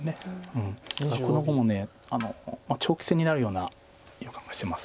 だからこの碁も長期戦になるような予感がしてます。